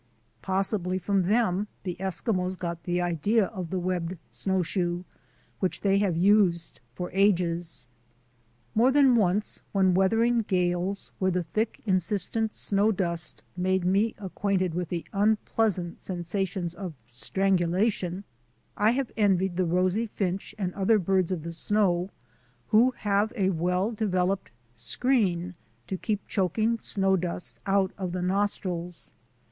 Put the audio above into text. Possibly from them the Eskimos got the idea for the webbed snowshoe, which they have used for ages. More than once, when weathering gales where the thick, insistent snow dust made me acquainted with the unpleasant sensations of strangulation, I have envied the rosy finch and other birds of the snow who have a well developed screen to keep choking snow dust out of the nos trils.